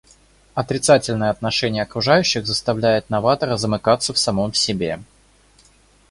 Отрицательное отношение окружающих заставляет новатора замыкаться в самом себе.